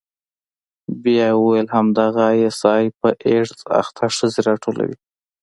بيا يې وويل همدغه آى اس آى په ايډز اخته ښځې راټولوي.